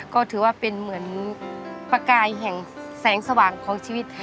ก็ถือว่าเป็นเหมือนประกายแห่งแสงสว่างของชีวิตค่ะ